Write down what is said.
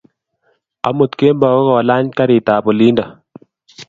amut kemboi ko ka lany karit ab olindo